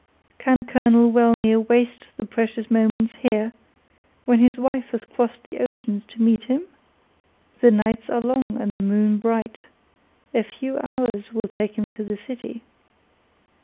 "Can Colonel Wellmere waste the precious moments here, when his wife has crossed the ocean to meet him? The nights are long, and the moon bright; a few hours will take him to the city."